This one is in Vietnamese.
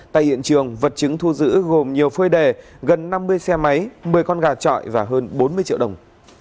tại hiện trường vật chứng thu giữ gồm nhiều phơi đề gần năm mươi xe máy một mươi con gà trọi và hơn bốn mươi triệu đồng